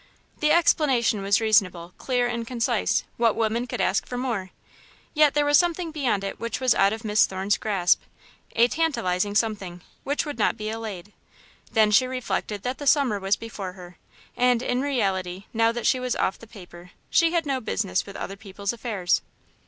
The explanation was reasonable, clear, and concise what woman could ask for more? Yet there was something beyond it which was out of Miss Thorne's grasp a tantalising something, which would not be allayed. Then she reflected that the Summer was before tier, and, in reality, now that she was off the paper, she had no business with other people's affairs.